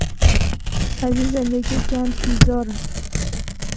از این زندگی گند بیزارم.